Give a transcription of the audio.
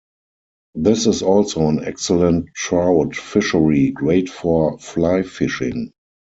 This is also an excellent trout fishery, great for fly fishing.